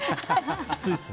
きついですね。